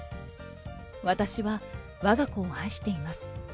私はわが子を愛しています。